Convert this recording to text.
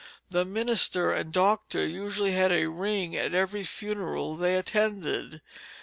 The minister and doctor usually had a ring at every funeral they attended.